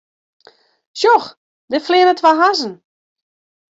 Sjoch, dêr fleane twa hazzen.